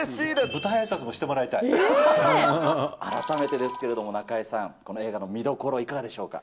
舞台あいさつもとしてもらい改めてですけれども、中井さん、この映画の見どころ、いかがでしょうか。